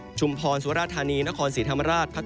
นอกจากนี้เองนะครับในบริเวณพื้นที่ที่อยู่ตามเขานะครับ